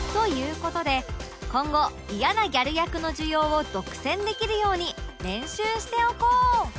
事で今後イヤなギャル役の需要を独占できるように練習しておこう